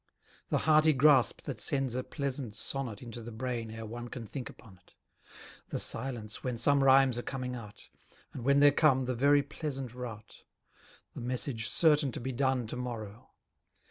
The hearty grasp that sends a pleasant sonnet Into the brain ere one can think upon it; The silence when some rhymes are coming out; And when they're come, the very pleasant rout: The message certain to be done to morrow.